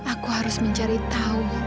aku harus mencari tahu